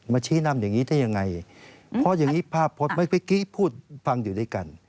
ชี้นำอย่างนี้ได้ยังไงเพราะอย่างนี้ภาพพจน์เมื่อกี้พูดฟังอยู่ด้วยกัน